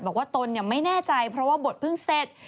ตนไม่แน่ใจเพราะว่าบทเพิ่งเสร็จ